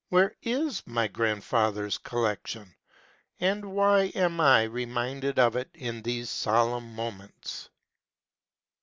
Where is my grandfather's collection? and why am I reminded of it in these solemn moments